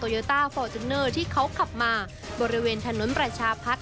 โตยอตาฟอร์เจนเนอร์ที่เขากลับมาบริเวณถนนประชาพัด